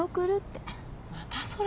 またそれ？